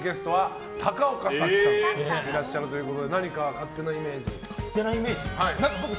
トークゲストは高岡早紀さんがいらっしゃるということで何か勝手なイメージは。